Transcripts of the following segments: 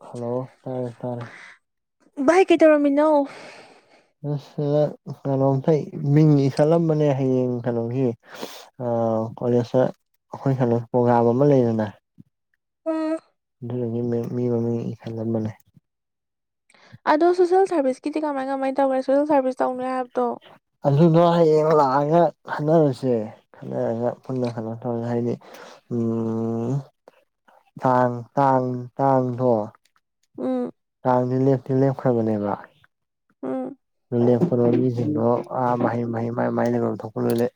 Hello ꯇꯥꯔꯦ ꯇꯥꯔꯦ ꯚꯥꯏ ꯀꯩ ꯗꯧꯔꯝꯃꯤꯅꯣ ꯑꯁ ꯀꯩꯅꯣꯝꯇ ꯃꯤꯡ ꯏꯈꯠꯂꯝꯕꯅꯦ ꯍꯌꯦꯡ ꯀꯩꯅꯣꯒꯤ ꯑꯣ ꯀꯣꯂꯦꯖꯇ ꯑꯩꯈꯣꯏ ꯁꯩꯅ ꯄ꯭ꯔꯣꯒ꯭ꯔꯥꯝ ꯑꯃ ꯂꯩꯗꯅ ꯎꯝ ꯑꯗꯨ ꯃꯤ ꯃꯃꯤꯡ ꯏ ꯈꯥꯒꯟꯕꯅꯦ ꯑꯗꯣ ꯁꯣꯁꯦꯜ ꯁꯥꯔꯚꯤꯁꯀꯤꯗꯤ ꯀꯃꯥꯏ ꯀꯃꯥꯏꯅ ꯇꯧꯅꯦ ꯁꯣꯁꯦꯜ ꯁꯥꯔꯚꯤꯁ ꯇꯧꯅꯦ ꯍꯥꯏꯕꯗꯣ ꯑꯗꯨꯅ ꯍꯌꯦꯡ ꯂꯥꯛꯑꯒ ꯈꯟꯅꯔꯁꯦ ꯈꯟꯅꯔꯒ ꯄꯨꯟꯅ ꯈꯟꯅꯣ ꯇꯧꯔꯦ ꯍꯥꯏꯗꯤ ꯎꯝ ꯇꯥꯡ ꯇꯥꯡ ꯇꯥꯡꯗꯣ ꯎꯝ ꯆꯥꯡꯗꯤ ꯂꯦꯞꯇꯤ ꯂꯦꯞꯈ꯭ꯔꯕꯅꯦꯕ ꯎꯝ ꯂꯣꯏꯂꯦꯣ ꯃꯤꯁꯤꯡꯗꯣ ꯑꯥ ꯃꯍꯩ ꯃꯍ ꯃꯥꯏ ꯂꯩ ꯊꯣꯛꯄ ꯂꯣꯏꯂꯦ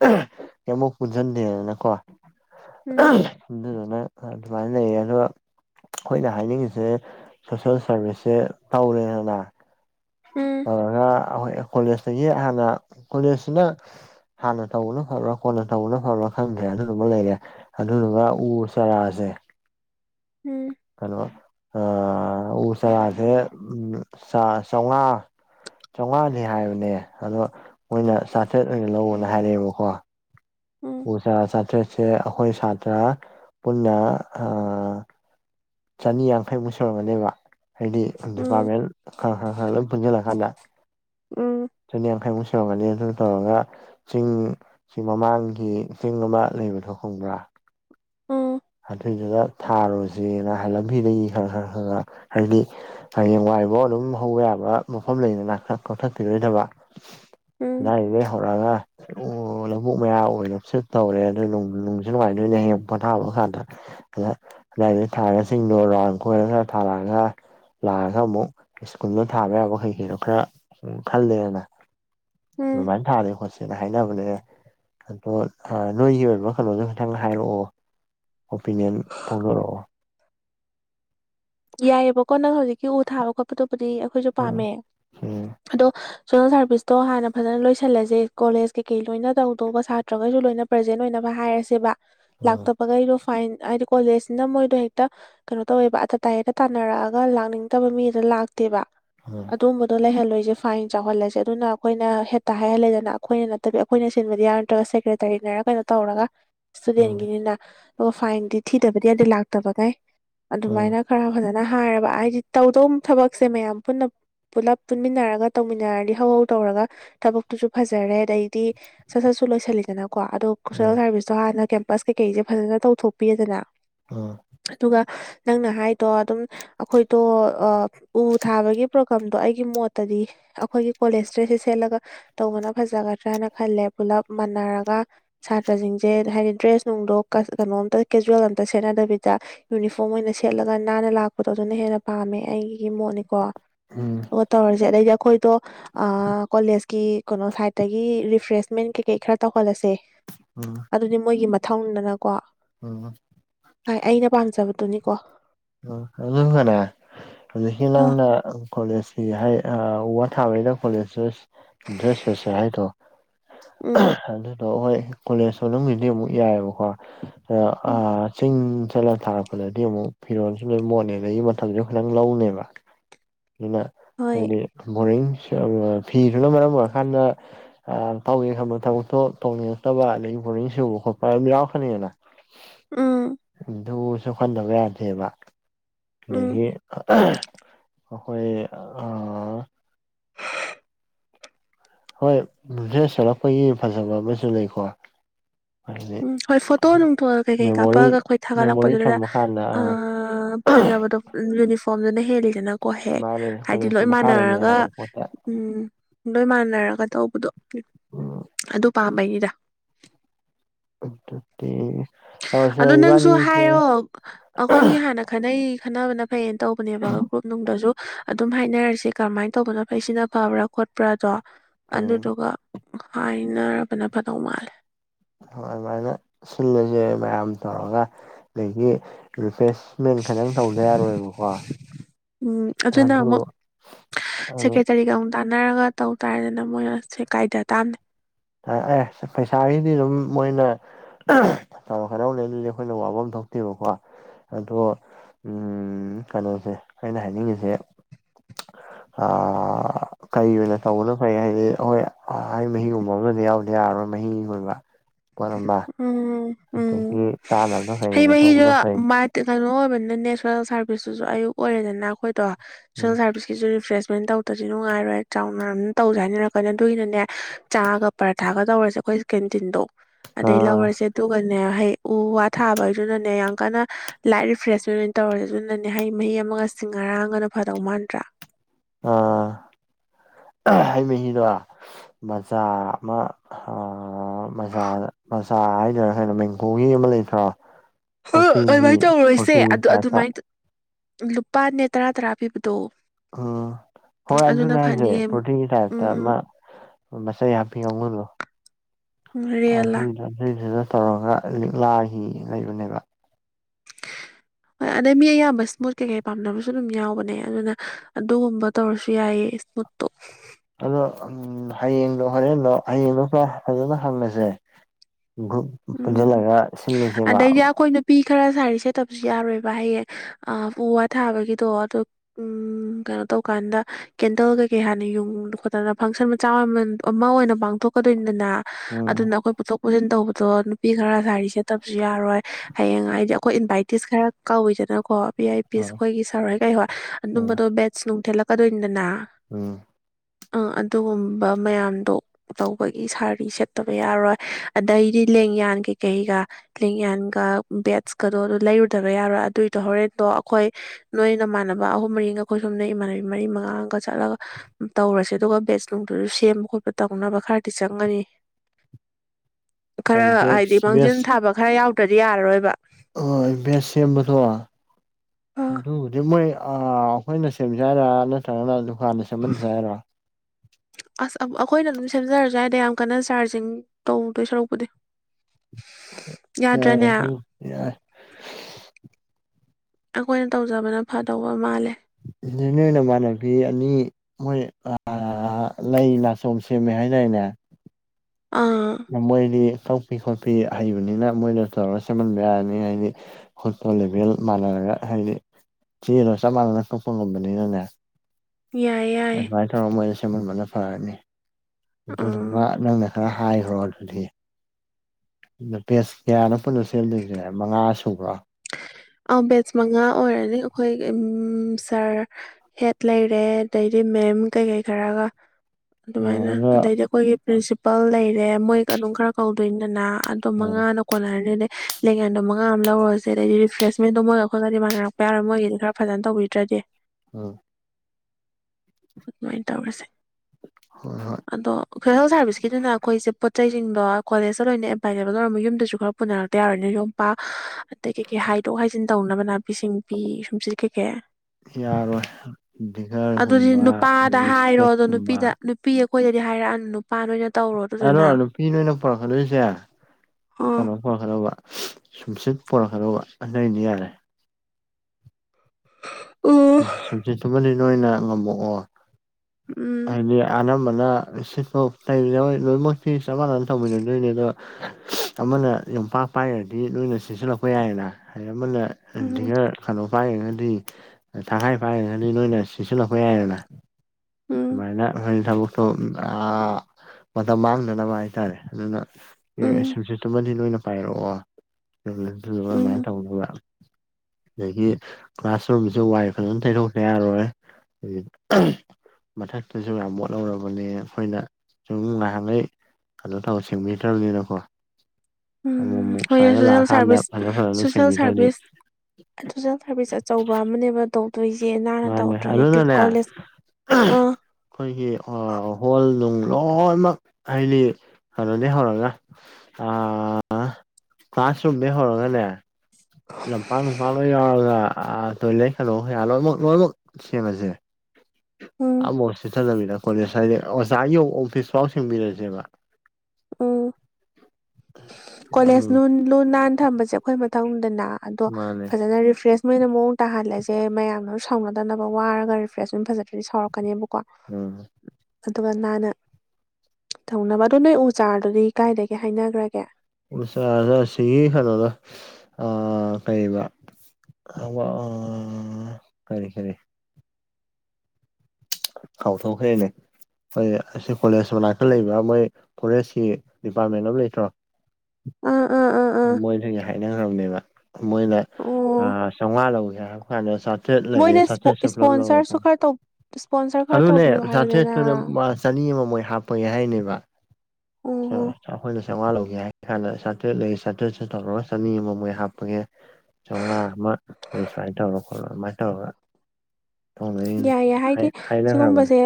ꯀꯩꯃꯨꯛ ꯎꯝ ꯄꯨꯟꯁꯤꯟꯗꯦꯗꯅꯀꯣꯗꯨꯅ ꯑꯗꯨꯃꯥꯏꯅ ꯂꯩꯌꯦ ꯑꯗꯨꯒ ꯑꯩꯈꯣꯏꯅ ꯍꯥꯏꯅꯤꯡꯉꯤꯁꯦ ꯁꯣꯁꯦꯜ ꯁꯥꯔꯚꯤꯁꯁꯦ ꯇꯧꯔꯦꯅ ꯎꯝ ꯇꯧꯔꯒ ꯑꯩꯈꯣꯏ ꯀꯣꯂꯦꯖꯇꯒꯤ ꯍꯥꯟꯅ ꯀꯣꯂꯦꯖꯁꯤꯅ ꯍꯥꯟꯅ ꯇꯧꯕꯅ ꯐꯕ꯭ꯔꯥ ꯀꯣꯟꯅ ꯇꯧꯕꯅ ꯐꯕ꯭ꯔꯥ ꯈꯪꯗ꯭ꯔꯦ ꯑꯗꯨꯗꯨꯃ ꯂꯩꯔꯦ ꯑꯗꯨꯗꯨꯒ ꯎ ꯆꯥꯔꯥꯁꯦ ꯎꯝ ꯀꯩꯅꯣ ꯑ ꯎ ꯆꯥꯔꯥꯁꯦ ꯎ ꯆꯥꯝꯃꯉꯥ ꯆꯧꯉꯥꯅꯤ ꯍꯥꯏꯕꯅꯦ ꯑꯗꯣ ꯃꯣꯏꯅ ꯆꯥꯇ꯭ꯔꯦꯠ ꯑꯣꯏꯅ ꯂꯧꯧꯕꯅ ꯍꯥꯏꯔꯛꯑꯦꯕꯀꯣ ꯎꯝ ꯑꯣꯁꯥ ꯆꯥꯇ꯭ꯔꯦꯠ ꯁꯦ ꯑꯩꯈꯣꯏ ꯁꯥꯇ꯭ꯔ ꯄꯨꯟꯅ ꯆꯅꯤ ꯌꯥꯡꯈꯩꯃꯨꯛ ꯁꯧꯨꯔꯝꯒꯅꯦꯕ ꯍꯥꯏꯗꯤ ꯎꯝ ꯗꯤꯄꯥꯔꯠꯃꯦꯟ ꯈꯔ ꯈꯔ ꯈꯔ ꯂꯣꯏ ꯄꯨꯟꯁꯤꯜꯂꯀꯥꯟꯗ ꯎꯝ ꯆꯅꯤ ꯌꯥꯡꯈꯩꯃꯨꯛ ꯁꯨꯔꯝꯒꯅꯤ ꯑꯗꯨ ꯇꯧꯔꯒ ꯆꯤꯡꯁꯤ ꯃꯃꯥꯡꯒꯤ ꯆꯤꯡ ꯑꯃ ꯂꯩꯕ ꯊꯣꯛ ꯈꯪꯕ꯭ꯔꯥ ꯎꯝ ꯑꯗꯨꯏꯗꯨꯗ ꯊꯥꯔꯣꯁꯤꯅ ꯂꯝꯕꯤꯗꯒꯤ ꯈꯔ ꯈꯔ ꯈꯔ ꯈꯔ ꯍꯥꯏꯗꯤ ꯍꯌꯦꯡꯋꯥꯏꯐꯥꯎ ꯑꯗꯨꯝ ꯍꯧꯕ ꯌꯥꯕ ꯃꯐꯝ ꯂꯩꯗꯅ ꯀꯛꯊꯠꯄꯤꯔꯣꯏꯗꯕ ꯎꯝ ꯑꯗꯥꯏꯗꯒꯤ ꯍꯧꯔꯛꯑꯒ꯫ ꯑꯣ ꯂꯧꯕꯨꯛ ꯃꯌꯥ ꯑꯣꯏꯅꯁꯨ ꯇꯧꯔꯦ ꯑꯗꯨ ꯅꯨꯡꯁꯨ ꯅꯨꯡꯉꯥꯏꯗꯣꯏꯅꯦ ꯍꯌꯦꯡ ꯄꯣꯊꯥꯕ ꯀꯥꯟꯗ꯫ ꯑꯗ ꯑꯗꯥꯏꯗꯩ ꯊꯥꯔ ꯆꯤꯡꯗꯣ ꯔꯥꯎꯟ ꯀꯣꯏꯔꯒ ꯊꯥꯔꯛꯑꯒ꯫ ꯂꯥꯛꯑꯒ ꯑꯃꯨꯛ ꯁ꯭ꯀꯨꯜꯗ ꯊꯥꯕ ꯌꯥꯕ ꯀꯩ ꯀꯩꯅꯣ ꯈꯔ ꯈꯜꯂꯦꯅ꯫ ꯎꯝ ꯑꯁꯨꯃꯥꯏꯅ ꯊꯥꯖꯦ ꯈꯣꯠꯁꯦꯅ ꯍꯥꯏ꯫ ꯈꯅꯕꯅꯦ ꯑꯗꯣ ꯅꯣꯏꯒꯤ ꯑꯣꯏꯕ ꯀꯩꯅꯣꯗꯣ ꯈꯤꯇꯪ ꯍꯥꯏꯔꯛꯑꯣ꯫ ꯑꯣꯄꯤꯅꯤꯌꯟ ꯐꯣꯡꯗꯣꯔꯛꯑꯣ꯫ ꯌꯥꯏꯌꯦꯕꯀꯣ ꯅꯪ ꯍꯧꯖꯤꯛꯀꯤ ꯎ ꯊꯥꯕ ꯈꯣꯠꯄꯗꯨꯕꯨꯗꯤ ꯑꯩꯈꯣꯏꯁꯨ ꯎꯝ ꯄꯥꯝꯃꯦ ꯎꯝ ꯑꯗꯣ꯫ ꯁꯣꯁꯦꯜ ꯁꯥꯔꯚꯤꯁꯇꯣ ꯍꯥꯟꯅ ꯐꯖꯅ ꯂꯣꯏꯁꯤꯜꯂꯁꯦ ꯀꯣꯂꯦꯖ ꯀꯩꯀꯩ ꯂꯣꯏꯅ ꯇꯧꯗꯧꯕ ꯁꯥꯇ꯭ꯔꯈꯩꯁꯨ ꯂꯣꯏꯅ꯫ ꯄ꯭ꯔꯖꯦꯟ ꯑꯣꯏꯅꯕ ꯍꯥꯏꯔꯁꯦꯕ꯫ ꯎꯝ ꯂꯥꯛꯇꯄꯒꯩꯗꯣ ꯐꯥꯏꯟ ꯍꯥꯏꯗꯤ ꯀꯣꯂꯦꯖꯁꯤꯅ ꯃꯣꯏꯗꯣ ꯍꯦꯛꯇ ꯀꯩꯅꯣ ꯇꯧꯋꯦꯕ ꯑꯊ ꯇꯥꯏꯔ ꯇꯥꯟꯅꯔꯛꯑꯒ ꯂꯥꯛꯅꯤꯡꯗꯕ ꯃꯤꯗ ꯂꯥꯛꯇꯦꯕ ꯑꯗꯨ ꯑꯗꯣ ꯂꯩꯍꯜꯂꯣꯏꯁꯦ ꯐꯥꯏꯟ ꯆꯥꯎꯍꯜꯂꯁꯦ ꯑꯗꯨꯅ ꯑꯩꯈꯣꯏꯅ ꯍꯦꯛꯇ ꯍꯥꯏꯍꯜꯂꯦꯗꯅ ꯑꯩꯈꯣꯏꯅ ꯅꯠꯇꯕꯤ ꯑꯩꯈꯣꯏꯅ ꯁꯤꯟꯕꯗꯤ ꯌꯥꯔ ꯅꯠꯇ꯭ꯔꯒ ꯇꯔꯦꯠꯅꯔ ꯀꯩꯅꯣ ꯇꯧꯔꯒ ꯎꯝ ꯏꯁꯇꯨꯗꯦꯟꯒꯤꯅꯤꯅ ꯑꯗꯨꯒ ꯐꯥꯏꯟꯗꯤ ꯊꯤꯗꯕꯗꯤ ꯌꯥꯗꯦ ꯂꯥꯛꯇꯕꯒꯩ ꯎꯝ ꯑꯗꯨꯃꯥꯏꯅ ꯈꯔ ꯐꯖꯅ ꯍꯥꯏꯔꯕ ꯍꯥꯏꯗꯤ ꯇꯧꯗꯧ ꯊꯕꯛꯁꯦ ꯃꯌꯥꯝ ꯄꯨꯟꯅ ꯄꯨꯂꯞ ꯄꯨꯟꯃꯤꯟꯅꯔꯒ ꯇꯧꯃꯤꯟꯅꯔꯗꯤ ꯍꯧ ꯍꯧ ꯇꯧꯔꯒ ꯊꯕꯛꯇꯨꯁꯨ ꯐꯖꯔꯦ ꯑꯗꯩꯗꯤ ꯁꯠ ꯁꯠꯁꯨꯨ ꯂꯣꯏꯁꯤꯜꯂꯤꯗꯅ ꯀꯣ ꯑꯗꯣ ꯎꯝ ꯁꯣꯁꯦꯜ ꯁꯥꯔꯚꯤꯁꯇꯣ ꯍꯥꯟꯅ ꯀꯦꯝꯄꯁ ꯀꯩꯀꯩꯁꯦ ꯐꯖꯅ ꯇꯧꯊꯣꯛꯄꯤꯑꯗꯅ ꯎꯝ ꯑꯗꯨꯒ ꯅꯪꯅ ꯍꯥꯏ꯫ ꯗꯣ ꯑꯗꯨꯝ ꯑꯩꯈꯣꯏꯗꯣ ꯑ ꯎ ꯊꯥꯕꯒꯤ ꯄ꯭ꯔꯣꯒꯥꯝꯗꯣ ꯑꯩꯒꯤ ꯃꯣꯠꯇꯗꯤ꯫ ꯑꯩꯈꯣꯏꯒꯤ ꯀꯣꯂꯦꯖ ꯗ꯭ꯔꯦꯁꯁꯦ ꯁꯦꯠꯂꯒ ꯇꯧꯕꯅ ꯐꯖꯒꯗ꯭ꯔꯅ ꯈꯜꯂꯦ ꯄꯨꯂꯞ ꯃꯟꯅꯔꯒ꯫ ꯁꯥꯇ꯭ꯔꯁꯤꯡꯁꯦ ꯍꯥꯏꯗꯤ ꯗ꯭ꯔꯦꯁ ꯅꯨꯡꯗꯣ ꯀꯩꯅꯣꯝꯇ ꯀꯦꯖꯨꯋꯦꯜ ꯑꯝꯇ ꯁꯦꯠꯅꯗꯕꯤꯗ꯫ ꯌꯨꯅꯤꯐꯣꯝ ꯑꯣꯏꯅ ꯁꯦꯠꯂꯒ ꯅꯥꯟꯅ ꯂꯥꯛꯄꯗꯣ ꯑꯗꯨꯅ ꯍꯦꯟꯅ ꯄꯥꯝꯃꯦ ꯑꯩꯒꯤ ꯃꯣꯠꯅꯤꯀꯣ꯫ ꯑꯣ ꯇꯧꯔꯖꯦ ꯑꯗꯩꯗꯤ ꯑꯩꯈꯣꯏꯗꯣ꯫ ꯑꯥ ꯀꯣꯂꯦꯖꯀꯤ ꯀꯩꯅꯣ ꯁꯥꯏꯠꯇꯒꯤ ꯔꯤꯐ꯭ꯔꯦꯁꯃꯦꯟ ꯀꯩꯀꯩ ꯈꯔ ꯇꯧꯍꯜꯂꯁꯦ꯫ ꯍꯣꯢ ꯑꯗꯨꯗꯤ ꯃꯣꯏꯒꯤ ꯃꯊꯧꯅꯤꯗꯅꯀꯣ꯫ ꯎꯝ꯫ ꯍꯥꯏ ꯑꯩꯅ ꯄꯥꯝꯖꯕꯗꯨꯅꯤꯀꯣ꯫ ꯑꯣ ꯑꯗꯨꯒꯅꯦ ꯍꯧꯖꯤꯛꯀꯤ ꯑ ꯅꯪꯅ ꯀꯣꯂꯦꯖ꯫ ꯁꯤ ꯍꯥꯏ ꯑꯥ ꯎꯨ ꯋꯥ ꯊꯥꯕꯩꯩꯗꯣ ꯀꯣꯂꯦꯖ ꯗ꯭ꯔꯦꯁ ꯁꯦꯠꯁꯦ ꯍꯥꯏꯗꯣ꯫ ꯎꯝ ꯑꯗꯨꯗꯣ ꯍꯣꯏ ꯀꯣꯂꯦꯖ ꯃꯅꯨꯡꯒꯤꯗꯤ ꯑꯃꯨꯛ ꯌꯥꯏꯑꯦꯕꯀꯣ꯫ ꯎꯝ ꯑꯥ ꯆꯤꯡ ꯆꯠꯂ ꯊꯥꯔꯛꯄꯗꯗꯤ ꯑꯃꯨꯛ꯫ ꯐꯤꯔꯣꯜꯁꯨ ꯂꯣꯏ ꯃꯣꯠꯅꯤ ꯑꯗꯒꯤ ꯃꯇꯝꯁꯨ ꯈꯤꯇꯪ ꯂꯧꯅꯦꯕ ꯑꯗꯨꯅ ꯍꯣꯏ ꯍꯥꯏꯗꯤ꯫ ꯕꯣꯔꯤꯡ ꯐꯤꯗꯨꯅ ꯃꯔꯝ ꯑꯣꯏꯔꯀꯥꯟꯗ꯫ ꯑꯥ ꯇꯧꯒꯦ ꯈꯟꯕ ꯊꯕꯛꯇꯣ ꯇꯧꯅꯤꯡꯉꯛꯇꯕ ꯑꯗꯒꯤ ꯕꯣꯔꯤꯡ ꯆꯨꯕ ꯈꯣꯠꯄ ꯑꯗꯨꯝ ꯌꯥꯎꯔꯛꯀꯅꯤꯅ꯫ ꯎꯝ꯫ ꯑꯗꯨꯁꯨ ꯈꯟꯗꯕ ꯌꯥꯗꯦꯕ꯫ ꯎꯝ ꯑꯗꯒꯤ ꯑꯩꯈꯣꯏ ꯑꯥ ꯍꯣꯏ ꯗ꯭ꯔꯦꯁ ꯁꯦꯠꯂꯛꯄꯒꯤ ꯐꯖꯕ ꯑꯃꯁꯨ ꯂꯩꯀꯣ꯫ ꯍꯥꯏꯗꯤ ꯎꯝ ꯍꯣꯏ ꯐꯣꯇꯣ ꯅꯨꯡꯇꯣ ꯀꯩꯀꯩ ꯀꯥꯞꯄꯛ ꯑꯒ ꯃꯦꯃꯣꯔꯤ ꯑꯩꯈꯣꯏ ꯃꯦꯃꯣꯔꯤ ꯊꯥꯒꯠꯂꯛꯄꯗꯨꯗ ꯊꯝꯕ ꯀꯥꯟꯗ ꯑꯥ ꯐꯖꯕꯗꯣ ꯌꯨꯅꯤꯐꯣꯝꯗꯨꯅ ꯍꯦꯜꯂꯤꯗꯅꯀꯣ ꯍꯦꯛ ꯃꯥꯅꯦ ꯍꯥꯏꯗꯤ ꯀꯣꯂꯦꯖꯀꯤ ꯂꯣꯏ ꯃꯈꯥꯗꯅꯦ ꯃꯥꯟꯅꯔꯒ꯫ ꯍꯥꯏꯕ ꯄꯣꯠꯇ ꯎꯝ ꯂꯣꯏ ꯃꯥꯟꯅꯔꯒ ꯇꯧꯕꯗꯣ ꯑꯗꯨ ꯄꯥꯝꯕꯩꯅꯤꯗ꯫ [unintelligible] ꯎꯝ ꯎꯝ ꯑꯗꯨ ꯅꯪꯁꯨ ꯍꯥꯏꯔꯣ ꯑꯩꯈꯣꯏꯒꯤ ꯍꯥꯟꯅ꯫ ꯈꯠꯅꯩ ꯈꯠꯅꯕꯅ ꯐꯩꯌꯦꯅ ꯇꯧꯕꯅꯦꯕ ꯒ꯭ꯔꯨꯞ ꯅꯨꯡꯗꯁꯨ ꯑꯗꯨꯝ ꯍꯥꯏꯅꯔꯁꯦ ꯀꯔꯝꯍꯥꯏꯅ ꯇꯧꯕꯅꯣ ꯐꯩꯁꯤꯅ ꯐꯕ꯭ꯔꯥ ꯈꯣꯠꯄ꯭ꯔꯥꯗꯣ ꯎꯝ ꯑꯗꯨꯗꯨꯒ ꯍꯥꯏꯅꯔꯕꯅ ꯐꯗꯧ ꯃꯥꯜꯂꯦ ꯑꯗꯨꯃꯥꯏꯅ ꯁꯤꯜꯂꯁꯦ ꯃꯌꯥꯝ ꯇꯧꯔꯒ ꯑꯗꯒꯤ ꯔꯤꯐꯦꯁ ꯃꯦꯟ ꯈꯇꯪ ꯇꯧꯗ ꯌꯥꯔꯣꯏꯕꯀꯣ ꯎꯝ ꯑꯗꯨꯅ ꯑꯃꯨꯛ ꯑꯗꯨ ꯁꯦꯀ꯭ꯔꯦꯇꯔꯤꯒ ꯑꯃꯨꯛ ꯇꯥꯟꯅꯔꯒ ꯇꯧ ꯇꯥꯔꯦꯗꯅ ꯃꯣꯏ ꯑꯁꯦ ꯀꯥꯏꯗ ꯇꯥꯕꯅꯦ ꯑꯦ ꯄꯩꯁꯥꯒꯤꯗꯤ ꯑꯗꯨꯝ ꯃꯣꯏꯅ ꯇꯧꯔꯛꯀ ꯗꯧꯅꯤ ꯑꯩꯈꯣꯏꯅ ꯋꯥꯕꯝ ꯊꯣꯛꯇꯦꯕꯀꯣ ꯑꯗꯣ ꯀꯩꯅꯣꯁꯦ ꯑꯩꯅ ꯍꯥꯏꯅꯤꯡꯉꯤꯁꯦ ꯀꯩ ꯑꯣꯏꯅ ꯇꯧꯕꯅ ꯐꯩ ꯍꯥꯏꯗꯤ ꯍꯣꯏ ꯍꯩ ꯃꯍꯤꯒꯨꯝꯕ ꯌꯥꯎꯗꯦ ꯌꯥꯔꯣꯏ ꯃꯍꯤ ꯑꯣꯢꯕ ꯑꯝ ꯎꯝ ꯆꯥꯅꯕꯅ ꯀꯩ ꯍꯩ ꯑꯣꯏꯅ ꯃꯍꯤꯗꯣ ꯇꯧꯕꯅ ꯐꯩ ꯀꯩꯅꯣ ꯑꯣꯏꯕꯅꯤꯅꯅꯦ ꯁꯣꯁꯦꯜ ꯁꯥꯔꯚꯤꯁꯇꯨꯁꯨ ꯑꯌꯨꯛ ꯑꯣꯏꯔꯦꯗꯅ ꯑꯩꯈꯣꯏꯗꯣ ꯁꯣꯁꯦꯜ ꯁꯥꯔꯚꯤꯁ꯫ ꯁꯤꯁꯨ ꯔꯤꯐ꯭ꯔꯦꯁꯃꯦꯟ ꯇꯧꯗ꯭ꯔꯗꯤ ꯅꯨꯡꯉꯥꯏꯔꯣꯏ ꯆꯥꯎꯅ ꯑꯗꯨꯝ ꯇꯧꯖꯦ ꯍꯥꯏꯅꯔꯛꯀꯅꯤ ꯑꯗꯨꯒꯤꯅꯅꯦ ꯆꯥꯒ꯫ ꯄꯔꯥꯊꯥꯒ ꯇꯧꯔꯁꯦ ꯑꯩꯈꯣꯏ ꯀꯦꯟꯇꯤꯟꯗꯣ꯫ ꯑꯗꯩ ꯑꯥ ꯂꯧꯔꯁꯦ ꯑꯗꯨꯒꯅꯦ ꯍꯩ ꯎ ꯋꯥ ꯊꯥꯕ ꯍꯥꯏꯗꯨꯅꯅꯦ ꯌꯥꯝ ꯀꯟꯅ꯫ ꯂꯥꯏꯠ ꯔꯤꯐ꯭ꯔꯦꯁꯃꯦꯟ ꯑꯣꯏꯅ ꯇꯧꯔꯁꯦ ꯑꯗꯨꯅꯅꯦ ꯍꯩ ꯃꯍꯤ ꯑꯃꯒ ꯁꯤꯡꯉꯥꯔ ꯑꯃꯒꯅ ꯐꯗꯧ ꯃꯥꯟꯗ꯭ꯔꯥ꯫ ꯑꯥ ꯍꯩ ꯃꯍꯤꯗꯣ ꯃꯖꯥ ꯑꯃ꯫ ꯑ ꯃꯖꯥ ꯍꯥꯏꯕ ꯃꯖꯥ ꯍꯥꯏꯗꯨꯔ ꯀꯩꯅꯣ ꯃꯦꯡꯒꯣꯒꯤ ꯑꯃ ꯂꯩꯇ꯭ꯔꯣ꯫ ꯍꯣꯏ ꯐꯣꯔꯇꯤꯒꯤ ꯑꯗꯨꯃꯥꯏꯅ ꯇꯧꯔꯁꯦ ꯐꯣꯔꯇꯤꯒꯤ ꯑꯗꯨ ꯇꯥꯏꯞꯇ ꯑꯗꯨꯃꯥꯏꯅ ꯂꯨꯄꯥꯅꯦ ꯇꯔꯥ ꯇꯔꯥ ꯄꯤꯕꯗꯣ꯫ ꯎꯝ ꯎꯝ ꯍꯣꯏ ꯑꯗꯨꯅ ꯑꯗꯨꯅꯦ ꯍꯥꯏꯁꯦ ꯐꯅꯤꯌꯦ ꯐꯨꯔꯇꯤꯒꯤ ꯇꯥꯏꯞꯇ ꯎꯝ ꯎꯝ ꯑꯃ꯫ ꯃꯆꯩ ꯍꯥꯞꯄꯤ ꯀꯥꯡꯕꯨꯗꯣ ꯎꯝ ꯔꯦꯜꯂꯥ ꯑꯗꯨꯏꯗ ꯑꯗꯨꯏꯗꯨꯗ꯫ ꯇꯧꯔꯒ ꯂꯤꯛꯂꯥ ꯒꯤ ꯂꯩꯕꯅꯦꯕ꯫ ꯍꯣꯏ ꯑꯗꯩ ꯃꯤ ꯑꯌꯥꯝꯕ ꯏꯁꯃꯨꯠ ꯀꯩꯀꯩ ꯄꯥꯝꯅꯕꯁꯨ ꯑꯗꯨꯝ ꯌꯥꯎꯕꯅꯦ ꯑꯗꯨꯅ꯫ ꯑꯗꯨꯒꯨꯝꯕ ꯇꯧꯔꯁꯨ ꯌꯥꯏꯑꯌꯦ ꯏꯁꯃꯨꯠꯇꯣ ꯑꯗꯣ ꯍꯌꯦꯡꯗꯣ ꯍꯣꯔꯦꯟꯗꯣ ꯍꯌꯦꯡꯗꯣ ꯄꯨꯔ ꯐꯖꯅ ꯍꯪꯉꯁꯦ ꯨꯞ ꯄꯨꯟꯁꯤꯜꯂꯒ ꯁꯤꯜꯂꯁꯦꯕ ꯄꯄꯤ ꯈꯔ ꯁꯥꯔꯤ ꯁꯦꯠꯇꯕꯁꯨ ꯌꯥꯔꯣꯏꯕ ꯍꯌꯦꯡ ꯎ ꯋꯥ ꯊꯥꯕꯒꯤꯗꯣ ꯑꯗꯨ ꯎꯝ ꯀꯩꯅꯣ ꯇꯧꯀꯥꯟꯗ ꯀꯦꯟꯗꯜ ꯀꯩꯀꯩ ꯍꯥꯟꯅ ꯌꯨꯡꯗ ꯈꯣꯠꯇꯅ ꯐꯪꯁꯟ ꯃꯆꯥ ꯃꯃꯜ ꯑꯃ ꯑꯣꯏꯅ ꯄꯥꯡꯊꯣꯛꯀꯗꯣꯏꯅꯤꯅ ꯎꯝ ꯑꯗꯨꯅ ꯑꯩꯈꯣꯏ ꯄꯨꯊꯣꯛ ꯄꯨꯁꯤꯟ ꯇꯧꯕ ꯑꯗꯣ ꯅꯨꯄꯤ ꯈꯔ ꯁꯥꯔꯤ ꯁꯦꯠꯇꯕꯁꯨ ꯌꯥꯔꯣꯏ ꯍꯌꯦꯡ ꯍꯥꯏꯗꯤ ꯑꯩꯈꯣꯏ ꯏꯟꯚꯥꯏꯇꯤꯁ ꯈꯔ ꯀꯧꯋꯤꯗꯅꯀꯣ ꯚꯤ ꯑꯥꯏ ꯄꯤꯁ ꯎꯝ ꯑꯩꯈꯣꯏꯒꯤ ꯁꯥꯔꯣꯏ ꯀꯩ ꯍꯣꯏ ꯎꯝ ꯑꯗꯨꯝꯕꯗꯣ ꯕꯦꯠꯁ ꯅꯨꯡꯊꯠꯂꯛꯀꯗꯣꯏꯅꯤꯗꯅ ꯎꯝ ꯑ ꯑꯗꯨꯒꯨꯝꯕ ꯃꯌꯥꯝꯗꯣ ꯇꯧꯕꯒꯤ ꯁꯥꯔꯤ ꯁꯦꯠꯇꯕ ꯌꯥꯔꯣꯏ ꯑꯗꯩꯗꯤ ꯂꯦꯡꯌꯥꯟ ꯀꯩꯀꯩꯒ ꯂꯦꯡꯌꯥꯟꯒ ꯕꯦꯠꯁꯀꯗꯣ ꯑꯗꯨ ꯂꯩꯔꯨꯗꯕ ꯌꯥꯔꯣꯏ ꯑꯗꯨꯏꯗꯣ ꯍꯣꯔꯦꯟꯗꯣ ꯑꯩꯈꯣꯏ ꯅꯣꯏ ꯅꯃꯥꯟꯅꯕ ꯑꯍꯨꯝ ꯃꯔꯤꯒ ꯑꯩꯈꯣꯏ ꯁꯣꯝꯅ ꯏꯃꯥꯟꯅꯕꯤ ꯃꯔꯤ ꯃꯉꯥꯒ ꯆꯠꯂꯒ ꯇꯧꯔꯁꯦ ꯑꯗꯨꯒ ꯕꯦꯁ ꯅꯨꯡꯗꯨꯁꯨ ꯁꯦꯝꯕ ꯈꯣꯠꯄ ꯇꯧꯅꯕ ꯈꯔꯗꯤ ꯆꯪꯒꯅꯤ ꯍꯣꯏ ꯈꯔ ꯕꯦꯁ ꯍꯥꯏꯗꯤ ꯃꯥꯡꯖꯤꯟ ꯊꯥꯕ ꯈꯔ ꯌꯥꯎꯗ꯭ꯔꯗꯤ ꯌꯥꯔꯔꯣꯏꯕ ꯑꯣ ꯁ ꯁꯦꯝꯕ ꯊꯣ ꯑꯥ ꯑꯗꯨꯕꯨꯗꯤ ꯃꯣꯏ ꯑꯩꯈꯣꯏꯅ ꯁꯦꯝꯖ ꯍꯥꯏꯔ ꯅꯠꯇ꯭ꯔꯒꯅ ꯗꯨꯀꯥꯟꯗ ꯁꯦꯝꯍꯟꯁ ꯍꯥꯏꯔꯥ ꯑꯁ ꯑꯩꯈꯣꯏꯅ ꯑꯗꯨꯝ ꯁꯦꯝꯖꯔꯁꯨꯋꯥꯏꯗ ꯌꯥꯝ ꯀꯟꯅ ꯆꯥꯔꯖꯤꯡ ꯇꯧꯗꯣꯏ ꯁꯔꯨꯛꯄꯗꯤ ꯌꯥꯔꯦ ꯎ ꯌꯥꯔꯦ ꯑꯩꯈꯣꯏꯅ ꯇꯧꯖꯕꯅ ꯐꯗꯧꯕ ꯃꯥꯜꯂꯦ ꯏꯅ ꯏꯃꯥꯟꯅꯕꯤ ꯑꯅꯤ ꯃꯣꯏ ꯂꯩ ꯅꯥꯁꯣꯝ ꯁꯦꯝꯃꯦ ꯍꯥꯏꯅꯏꯅꯦ ꯑꯥ ꯃꯣꯏꯗꯤ ꯇꯧꯄꯤ ꯈꯣꯠꯄꯤ ꯍꯩꯕꯅꯤꯅ ꯃꯣꯏꯗ ꯇꯧꯔꯒ ꯁꯦꯝꯍꯟꯕ ꯌꯥꯔꯅꯤ ꯍꯥꯏꯗꯤ ꯐꯨꯠꯕꯣꯜ ꯂꯦꯚꯦꯜ ꯃꯥꯟꯅꯔꯒ ꯍꯥꯏꯗꯤ ꯆꯦꯂꯣ ꯆꯞ ꯃꯥꯟꯅꯅ ꯀꯛꯄ ꯉꯝꯕꯅꯤꯅꯅꯦ ꯌꯥꯏ ꯌꯥꯏ ꯈꯔ ꯃꯣꯏꯅ ꯁꯦꯝꯃꯟꯕꯅ ꯐꯔꯅꯤ ꯑꯥ ꯑꯗꯨꯗꯨꯒ ꯅꯪꯅ ꯈꯔ ꯍꯥꯏꯈ꯭ꯔꯣ ꯑꯗꯨꯗꯤ ꯄꯦꯁ ꯀꯌꯥꯅ ꯄꯨꯟꯅ ꯆꯗꯣꯏꯁꯦ ꯃꯉꯥ ꯁꯨꯕ꯭ꯔꯣ ꯑ ꯕꯦꯁ ꯃꯉꯥ ꯑꯣꯏꯔꯅꯤ ꯑꯩꯈꯣꯏ ꯁꯥꯔ ꯍꯦꯠ ꯂꯩꯔꯦ ꯑꯗꯩꯗꯤ ꯃꯦꯝ ꯀꯩꯀꯩ ꯈꯔꯒ ꯑꯗꯨꯃꯥꯏꯅ ꯑꯗꯨꯒ ꯑꯗꯩꯗꯤ ꯑꯩꯈꯣꯏꯒꯤ ꯄ꯭ꯔꯤꯟꯁꯤꯄꯜ ꯂꯩꯔꯦ ꯃꯣꯏꯒ ꯑꯗꯨꯝ ꯈꯔ ꯀꯧꯗꯣꯏꯗꯅ ꯑꯗꯣ ꯎꯝ ꯃꯉꯥꯅ ꯀꯣꯟꯅꯔꯅꯤꯅꯦ ꯂꯩꯀꯥꯟꯗꯣ ꯃꯉꯥ ꯑꯃ ꯂꯧꯔꯨꯔꯁꯦ ꯑꯗꯩꯗꯤ ꯔꯤꯐ꯭ꯔꯦꯁ ꯁꯦꯟꯠꯇꯣ ꯃꯣꯏꯒ ꯑꯩꯈꯣꯏꯒꯗꯤ ꯃꯥꯟꯅꯔꯛꯄ ꯌꯥꯔꯣꯏ ꯃꯣꯏꯒꯤꯗꯤ ꯈꯔ ꯐꯖꯅ ꯇꯧꯕꯕꯤꯗ꯭ꯔꯗꯤ ꯑꯣ ꯑꯗꯨꯃꯥꯏꯅ ꯇꯧꯔꯁꯦ ꯍꯣꯏ ꯍꯣꯏ ꯑꯗꯣꯣꯏ ꯍꯦꯜ ꯁꯥꯔꯕꯤꯁꯀꯤꯗꯨꯅ ꯑꯩꯈꯣꯏꯁꯦ ꯄꯣꯠꯩ ꯆꯩꯁꯤꯡꯗꯣ ꯀꯣꯂꯦꯖꯇ ꯂꯣꯏꯅ ꯑꯦꯕꯥꯏꯂꯦꯕꯜ ꯑꯣꯏꯔꯝꯕ ꯌꯨꯝꯗꯁꯨ ꯈꯔ ꯄꯨꯅꯔꯛꯇ ꯌꯥꯔꯣꯏꯅꯦ ꯌꯣꯝꯄꯥꯛ ꯑꯇꯩ ꯀꯩ ꯀꯩ ꯍꯥꯏ ꯊꯩꯗꯣꯛ ꯍꯩꯖꯤꯟ ꯇꯧꯅꯕ ꯅꯥꯄꯤ ꯁꯤꯡꯕꯤ ꯁꯨꯝ ꯁꯤꯠ ꯀꯩꯀꯦ ꯌꯥꯔꯣꯏ ꯑꯗꯨꯗꯤ ꯗꯤꯒꯔꯒꯨꯝꯕ ꯅꯨꯄꯥꯗ ꯑꯗꯒꯤ ꯍꯥꯏꯔꯣ ꯑꯗꯣ ꯏꯁꯄꯦꯠꯀꯨꯝꯕ ꯅꯨꯄꯤꯗ ꯅꯨꯄꯤ ꯑꯩꯈꯣꯏꯗꯗꯤ ꯍꯥꯏꯔꯛꯑꯅ ꯅꯨꯄꯥ ꯅꯣꯏ ꯑꯂꯣ ꯅꯨꯄꯤ ꯅ ꯑꯣꯏꯅ ꯄꯨꯔꯛꯀꯗꯣꯏꯁꯦ ꯑꯣ ꯀꯩꯅꯣ ꯄꯣꯔꯛꯀꯗꯕ ꯁꯨꯝꯁꯤꯠ ꯄꯣꯔꯛꯀꯗꯧꯕ ꯑ ꯑꯩꯅ ꯌꯥꯔꯦ ꯎꯝ ꯁꯝꯆꯦ ꯊꯨꯝꯍꯜꯂꯤ ꯅꯣꯏꯅ ꯉꯝꯃꯛꯑꯣ ꯎꯝ ꯍꯥꯏꯗꯤ ꯑꯅꯝꯕꯅ ꯁꯤꯠꯐꯥꯎ ꯇ ꯂꯣꯏꯃꯛ ꯐꯤ ꯆꯞ ꯃꯥꯟꯅꯅ ꯇꯧꯃꯤꯟꯅꯗꯣꯏꯅꯤ ꯑꯗꯣ ꯑꯃꯅ ꯌꯣꯝꯄꯥꯛ ꯄꯥꯏꯈꯔꯗꯤ ꯂꯣꯏꯅ ꯆꯁꯤꯜꯂꯛꯄ ꯌꯥꯏꯌꯦꯅ ꯍꯥꯏꯗꯤ ꯑꯃꯅ ꯗꯤꯒꯔ ꯀꯩꯅꯣ ꯄꯥꯏꯔꯒꯗꯤ ꯊꯪꯈꯥꯏ ꯄꯥꯏꯔꯒꯗꯤ ꯅꯣꯏꯅ ꯁꯤꯁꯤꯜꯂꯛꯄ ꯌꯥꯏꯌꯦꯗꯅ ꯎꯝ ꯁꯃꯥꯏꯅ ꯍ ꯊꯝꯛ ꯃꯇꯝ ꯃꯥꯡꯗꯅꯕ ꯍꯥꯏꯇꯥꯔꯦ ꯑꯗꯨꯅ ꯎꯝ ꯁꯨꯝꯁꯤꯠꯇꯨꯃꯗꯤ ꯂꯣꯏꯅ ꯄꯥꯏꯔꯛꯑꯣ ꯑꯗꯨꯃꯥꯏꯅ ꯎꯝ ꯇꯧꯅꯕ ꯑꯗꯒꯤ ꯀ꯭ꯂꯥꯁꯔꯨꯝꯁ ꯋꯥꯏ ꯐꯖꯅ ꯇꯩꯊꯣꯛꯄ ꯌꯥꯔꯣꯏ [unintelligible] ꯃꯊꯛꯇꯁꯨ ꯌꯥꯝ ꯃꯣꯠ ꯂꯧꯔꯕꯅꯦ ꯑꯩꯈꯣꯏꯅ ꯁꯨꯝ ꯅꯍꯥꯟꯉꯩ ꯑꯂꯣ ꯇ ꯁꯦꯡꯕꯤꯗ꯭ꯔꯕꯅꯤꯅꯀꯣ ꯑꯃꯨꯛ ꯎꯝ ꯑꯃꯨꯛ ꯍꯣꯏ ꯁꯨꯃꯥꯏꯅ ꯁꯣꯁꯦꯜ ꯂꯥꯛꯑꯀꯥꯟꯗ ꯁꯥꯔꯚꯤꯁ ꯐꯖ ꯐꯖꯅ ꯁꯣꯁꯦꯜ ꯁꯦꯡꯕꯤꯗ꯭ꯔꯗꯤ ꯁꯥꯔꯚꯤꯁ ꯑꯗꯨ ꯁꯥꯔꯚꯤꯁ ꯑꯆꯧꯕ ꯑꯃꯅꯦꯕ ꯑꯗꯣ ꯇꯣꯏꯁꯦ ꯅꯥꯅ ꯃꯥꯅꯦ ꯇꯧꯗ꯭ꯔꯦ ꯑꯗꯨꯅꯅꯦ ꯀꯣꯂꯦꯖ ꯑ ꯑꯩꯈꯣꯏꯒꯤ ꯍꯣꯜ ꯅꯨꯡ ꯂꯣꯏꯅꯃꯛ ꯍꯥꯏꯗꯤ ꯀꯩꯅꯣꯗꯒꯤ ꯍꯧꯔꯒ ꯑ ꯀ꯭ꯂꯥꯁ ꯔꯨꯝꯃꯦ ꯍꯧꯔꯒꯅꯦ ꯂꯄꯥꯥꯡ ꯌꯥꯎ ꯂ ꯂꯩꯗꯂ ꯋꯥꯣꯏ ꯑꯃ ꯁꯦꯝꯃꯁꯦ ꯎꯝ ꯑꯃꯐꯛꯁꯤ ꯆꯠꯂꯕꯤꯗ ꯀꯣꯂꯦꯖ ꯍꯥꯏꯗꯤ ꯑꯣꯖꯥ ꯌ ꯑꯣꯐꯤꯁ ꯐꯥꯎ ꯁꯦꯡꯕꯤꯔꯁꯦꯕ ꯎꯝ ꯀꯣꯂꯦꯖ ꯑꯃꯨꯛ ꯂꯨ ꯂꯨ ꯅꯥꯟꯅ ꯊꯝꯕꯁꯦ ꯦ ꯑꯩꯈꯣꯏ ꯃꯊꯪꯗꯅ ꯑꯗꯣ ꯃꯥꯅꯦ ꯐꯖꯅ ꯔꯤꯐ꯭ꯔꯦꯁ ꯃꯣꯏꯅ ꯃꯑꯣꯡ ꯇꯥꯍꯜꯂꯁꯦ ꯃꯌꯥꯝꯅꯁꯨ ꯁꯥꯎꯅꯗꯅꯕ ꯋꯥꯔꯒ ꯔꯤꯐ꯭ꯔꯦꯁꯃꯦꯟ ꯐꯖꯗ꯭ꯔꯗꯤ ꯁꯥꯎꯔꯛꯀꯅꯦꯕꯀꯣ ꯎꯝ ꯑꯗꯨꯒ ꯅꯥꯅ ꯊꯧꯅꯕꯗꯣ ꯅꯣꯏ ꯎ ꯆꯥꯔꯗꯨꯗꯤ ꯀꯥꯏꯗꯒꯤ ꯍꯥꯏꯅꯈ꯭ꯔꯒꯦ ꯎ ꯑꯁꯤꯒꯤꯒꯤ ꯀꯩꯅꯣꯗ ꯀꯩꯕ ꯑ ꯑ ꯈꯔꯤ ꯈꯔꯤ ꯍꯥꯎ ꯊꯧ ꯍ ꯑꯩꯣꯏ ꯑꯁꯤ ꯀꯣꯂꯦꯖ ꯃꯅꯥꯛꯇ ꯂꯩꯕ ꯃꯣꯏ ꯐꯣꯔꯦꯁꯀꯤ ꯗꯤꯄꯥꯔꯠꯃꯦꯟ ꯑꯃ ꯂꯩꯇ꯭ꯔꯣ ꯑꯥ ꯑꯥ ꯑꯥ ꯑꯥ ꯃꯣꯏꯅꯁꯤꯡꯁ ꯍꯥꯏꯅꯈ꯭ꯔꯕꯅꯦꯕ ꯃꯣꯏꯅ ꯑꯣ ꯆꯥꯝꯃꯉꯥ ꯂꯧꯒꯦ ꯍꯥꯏ ꯍꯅ ꯁꯥꯊꯦꯠ ꯂꯩꯌꯦ ꯃꯣꯏꯅ ꯁꯥꯊꯦꯠꯁꯦ ꯄꯨꯂꯞ ꯏꯁꯄꯣꯟꯁꯔꯁꯨ ꯂꯧ ꯈꯔ ꯇꯧ ꯏꯁꯄꯣꯟꯁꯔ ꯈꯔ ꯑꯂꯨꯅꯦ ꯇꯧꯕꯤꯌꯨ ꯁꯥ ꯇꯨ ꯍꯥꯏꯕꯗꯅ ꯃꯥ ꯆꯅꯤ ꯑꯃ ꯃꯣꯏ ꯍꯥꯞꯄꯒꯤ ꯍꯥꯏꯅꯦꯕ ꯑꯣ ꯑꯩꯈꯣꯏꯅ ꯆꯥꯝꯃꯉꯥ ꯂꯧꯒꯦ ꯍꯥꯏ ꯀꯥꯟꯗ ꯆꯥꯇ꯭ꯔꯦꯠ ꯂꯩ ꯆꯥꯇ꯭ꯔꯦꯠ ꯇꯧꯔꯒ ꯆꯅꯤ ꯑꯃ ꯃꯣꯏ ꯍꯥꯞꯄꯒꯦ ꯆꯥꯝꯉꯥ ꯑꯃ ꯑ ꯁꯨꯃꯥꯏꯅ ꯇꯧꯔ ꯈꯣꯠꯂꯣ ꯑꯗꯨꯃꯥꯏꯅ ꯇꯧꯔꯒ ꯇꯧꯅꯔꯤꯅꯤ ꯌꯥꯏꯌꯦꯦ ꯍꯥꯏꯗꯤ ꯍꯥꯏꯅꯈ꯭ꯔꯕꯅꯦ ꯁꯤꯒꯨꯝꯕꯁꯦ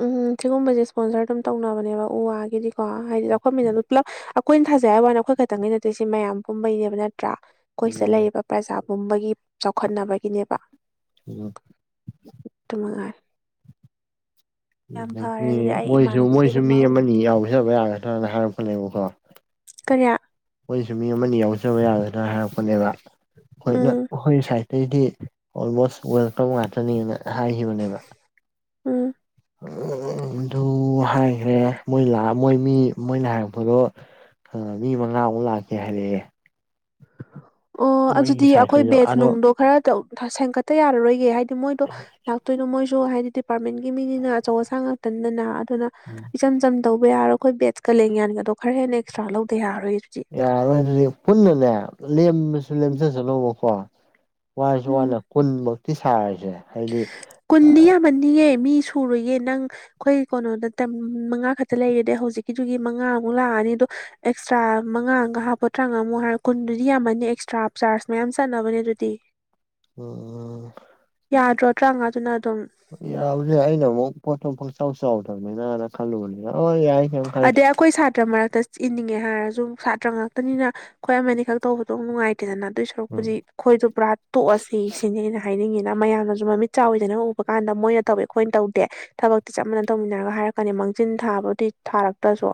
ꯎꯝ ꯁꯤꯒꯨꯝꯕꯁꯦ ꯏꯁꯄꯣꯟꯁꯔ ꯑꯗꯨꯝ ꯇꯧꯅꯕꯅꯦꯕ ꯎ ꯋꯥꯒꯤꯗꯤꯀꯣ ꯍꯥꯏꯗꯤ ꯆꯥꯎꯈꯠꯃꯤꯟꯅ ꯑꯗꯨ ꯄꯨꯂꯞ ꯀꯨꯏꯅ ꯊꯥꯖꯩ ꯍꯥꯏꯕ ꯋꯥꯅꯤ ꯑꯩꯈꯣꯏ ꯈꯛꯇꯪꯒꯤ ꯅꯠꯇꯦ ꯁꯤ ꯃꯌꯥꯝ ꯄꯨꯝꯕꯩꯅꯦꯕ ꯅꯠꯇ꯭ꯔꯥ ꯑꯩꯈꯣꯏ ꯁꯤꯗ ꯎꯝ ꯂꯩꯔꯤꯕ ꯄ꯭ꯔꯖꯥ ꯄꯨꯝꯕꯒꯤ ꯆꯥꯎꯈꯠꯅꯕꯒꯤꯅꯦꯕ ꯑꯣꯝ ꯎꯠꯇꯃꯉꯥꯏ ꯐꯔꯦ ꯑꯗꯨꯗꯤ ꯑꯩ ꯃꯣꯏꯁꯨ ꯏꯃꯥꯟꯅꯕꯤꯒꯤ ꯃꯣꯏꯁꯨ ꯑꯗꯨꯝ ꯃꯤ ꯃꯔꯨꯞ ꯑꯃꯅꯤ ꯌꯥꯎꯗꯕ ꯌꯥꯒꯗ꯭ꯔꯅ ꯍꯥꯏꯔꯛꯄꯅꯦꯕꯀꯣ ꯀꯔꯤꯌꯥ ꯑꯩꯣꯏꯁꯨ ꯃꯤ ꯑꯃꯅꯤ ꯌꯥꯎꯖꯕ ꯌꯥꯔꯣꯏꯗ꯭ꯔꯥ ꯎꯝ ꯍꯥꯏꯔꯛꯄꯅꯦꯕꯣꯏꯣꯏ ꯁ ꯑꯗꯤ ꯑꯣꯜꯃꯣꯁ ꯋꯦꯜꯀꯝ ꯉꯥꯛꯇꯅꯦꯅ ꯍꯥꯏꯈꯤꯕꯅꯦꯕ ꯎꯝ ꯑꯗꯨ ꯍꯥꯏꯈ꯭ꯔꯦ ꯃꯣꯏ ꯃꯣꯏ ꯃꯤ ꯃꯣꯏꯅ ꯍꯥꯏꯔꯛꯄꯗꯣ ꯑ ꯃꯤ ꯃꯉꯥꯃꯨꯛ ꯂꯥꯛꯀꯦ ꯍꯥꯏꯂꯛꯑꯦ ꯑꯣ ꯑꯗꯨꯗꯤ ꯃꯣꯏꯒꯤ ꯑꯩꯈꯣꯏ ꯁꯥꯏꯠꯇꯩꯁꯨ ꯕꯦꯖ ꯑꯗꯣ ꯅꯨꯡꯗꯣ ꯈꯔ ꯁꯦꯝꯒꯠꯇ ꯌꯥꯔꯔꯣꯏꯒꯦ ꯍꯥꯏꯗꯤ ꯃꯣꯏꯗꯣ ꯂꯥꯛꯇꯣꯏꯅꯣ ꯃꯣꯏꯁꯨ ꯍꯥꯏꯗꯤ ꯗꯤꯄꯥꯔꯠꯃꯦꯟꯒꯤ ꯃꯤꯅꯤꯅ ꯑꯆꯧ ꯑꯁꯥꯡ ꯉꯥꯛꯇꯅꯤꯗꯅ ꯑꯗꯨꯅ ꯎꯝ ꯏꯆꯝ ꯆꯝ ꯇꯧꯕ ꯌꯥꯔꯣꯏ ꯑꯩꯈꯣꯏ ꯕꯦꯠꯀ ꯂꯦꯡꯌꯥꯟꯒꯗꯣ ꯈꯔ ꯍꯦꯟꯅ ꯑꯦꯛꯁꯇ꯭ꯔꯥ ꯂꯧꯧꯕ ꯌꯥꯔꯣꯏ ꯍꯧꯖꯤꯛ ꯌꯥꯔꯣꯏ ꯑꯗꯨꯗꯤ ꯄꯨꯟꯅꯅꯦ ꯂꯦꯝꯃꯁꯨ ꯂꯦꯝꯖꯁꯅꯧꯕꯀꯣ ꯋꯥꯁꯨ ꯎꯝ ꯋꯥꯅꯦ ꯀꯨꯟꯃꯛꯇꯤ ꯁꯥꯔꯤꯁꯦ ꯀꯨꯟꯗꯤ ꯌꯥꯝꯃꯟꯅꯤꯡꯌꯦꯦ ꯃꯤ ꯁꯨꯔꯨꯌꯦꯦ ꯅꯪ ꯑꯩꯈꯣꯏ ꯀꯩꯅꯣꯗ ꯃꯉꯥ ꯈꯛꯇ ꯂꯩꯔꯗꯤ ꯍꯧꯖꯤꯛꯀꯤꯗꯨꯒꯤ ꯃꯉꯥꯃꯨꯛ ꯂꯥꯛꯑꯅꯤ ꯑꯗꯣ ꯑꯦꯛꯁꯇ꯭ꯔꯥ ꯃꯉꯥꯒ ꯍꯥꯞꯄꯨ ꯇ꯭ꯔꯥꯉꯥꯃꯨꯛ ꯍꯥꯏꯔ ꯀꯨꯟꯗꯨꯗꯤ ꯌꯥꯝꯃꯅꯤ ꯑꯦꯛꯁꯇ꯭ꯔꯥ ꯆꯥꯔꯖ ꯃꯌꯥꯝ ꯆꯠꯅꯕꯅꯦ ꯑꯗꯨꯗꯤ ꯎꯝ ꯌꯥꯗ꯭ꯔꯣ ꯇꯔꯥꯃꯉꯥꯗꯨꯅ ꯑꯗꯨꯝ ꯌꯥꯎꯁꯦ ꯑꯩꯅ ꯑꯃꯨꯛ ꯄꯣꯠꯊꯣꯛ ꯄ ꯆꯥꯎꯥꯎ ꯆꯥꯎꯗꯕꯅꯤꯅ ꯈꯜꯂꯨꯕꯅꯤꯅ ꯍ ꯌꯥꯏ ꯀꯩꯝ ꯑꯗ ꯀꯥꯏꯗꯦ ꯑꯩꯈꯣꯏ ꯁꯥꯇ꯭ꯔ ꯃꯔꯛꯇ ꯏꯟꯅꯤꯡꯉꯦ ꯍꯥꯏꯔꯁꯨ ꯁꯥꯇ꯭ꯔ ꯉꯥꯛꯇꯅꯤꯅ ꯑꯩꯈꯣꯏ ꯑꯃꯅꯤ ꯈꯛ ꯇꯧꯕꯗꯣ ꯅꯨꯡꯉꯥꯏꯇ ꯀꯦꯗꯅ ꯑꯗꯨꯏ ꯎꯝ ꯁꯔꯨꯛꯄꯨꯗꯤ ꯑꯩꯈꯣꯏꯗꯣ ꯄꯨꯔꯥ ꯇꯣꯛꯑꯁꯤ ꯁꯤꯅꯤ ꯑꯩꯅ ꯍꯥꯏꯅꯤꯡꯉꯤꯅꯦ ꯃꯌꯥꯝꯅꯁꯨ ꯃꯃꯤꯠ ꯆꯥꯎꯋꯗꯅ ꯎꯕ ꯀꯥꯟꯗ ꯃꯣꯏꯅ ꯇꯧꯋꯦ ꯑꯩꯈꯣꯏꯅ ꯇꯧꯗꯦ ꯊꯕꯛꯇꯤ ꯆꯞꯃꯟꯅ ꯇꯧꯃꯤꯟꯅꯔꯒ ꯍꯥꯏꯔꯛꯀꯅꯤ ꯃꯥꯡꯖꯤꯟ ꯊꯥꯕꯗꯨ ꯊꯥꯔꯛꯇ꯭ꯔꯁꯨ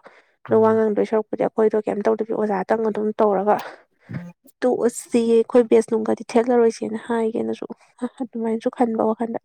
ꯑꯗꯣ ꯋꯥ ꯎꯝ ꯉꯥꯡꯗꯣꯏ ꯁꯔꯛꯄꯨꯗꯤ ꯑꯩꯈꯣꯏꯗꯣ ꯀꯩꯝ ꯇꯧꯗꯕꯤ ꯑꯣꯖꯥꯇꯪ ꯑꯗꯨꯝ ꯇꯧꯔꯒ ꯇꯨ ꯑꯣ ꯁꯤꯌꯦ ꯑꯩꯈꯣꯏ ꯕꯦꯁ ꯅꯨꯡꯒꯗꯤ ꯊꯦꯛꯂꯔꯣꯏꯁꯦꯅ ꯍꯥꯏꯒꯦꯅꯁꯨ ꯑꯗꯨꯃꯥꯏꯅꯁꯨ ꯈꯟꯕ ꯋꯥꯈꯟꯗ